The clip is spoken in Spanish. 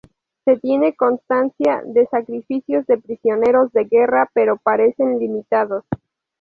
Se tiene constancia de sacrificios de prisioneros de guerra, pero parecen limitados.